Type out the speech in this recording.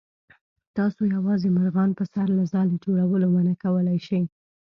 تاسو یوازې مرغان په سر له ځالې جوړولو منع کولی شئ.